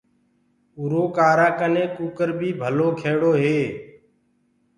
اُرو ڪآرآ ڪني ڪٚڪَر بيٚ ڀلو کيڙو رهي